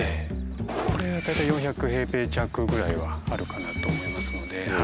これが大体４００平米弱ぐらいはあるかなと思いますので。